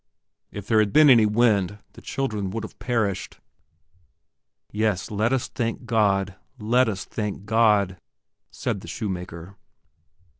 If there had been any wind the children would have perished." "Yes, let us thank God, let us thank God," said the shoemaker.